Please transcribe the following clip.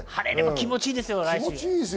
気持ちいいですよね。